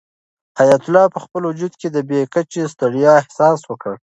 حیات الله په خپل وجود کې د بې کچې ستړیا احساس وکړ.